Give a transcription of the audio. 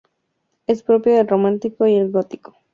Es propia del románico y del gótico.